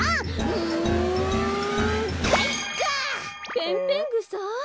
ペンペンぐさ！？